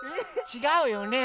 ちがうよね？